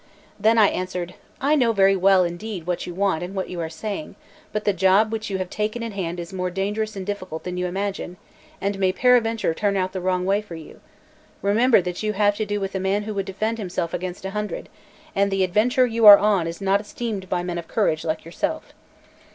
Then I answered. "I know very well indeed what you want and what you are saying; but the job which you have taken in hand is more dangerous and difficult than you imagine, and may peradventure turn out the wrong way for you. Remember that you have to do with a man who would defend himself against a hundred; and the adventure you are on is not esteemed by men of courage like yourself."